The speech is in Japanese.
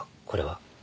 これは。